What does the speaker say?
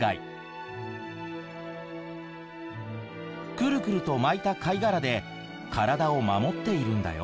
クルクルと巻いた貝殻で体を守っているんだよ。